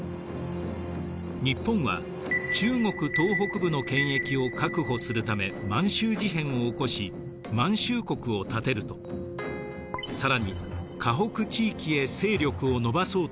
日本は中国東北部の権益を確保するため満州事変を起こし満州国を建てると更に華北地域へ勢力を伸ばそうとします。